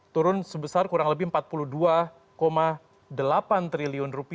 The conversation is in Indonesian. turun sebesar kurang lebih rp empat puluh dua delapan triliun